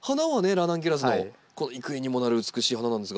ラナンキュラスのこの幾重にもなる美しい花なんですが。